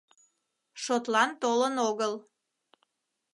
Шотлан толын огыл.